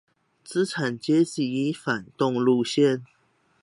資產階級反動路線